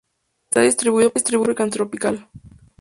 Está distribuido por el África tropical.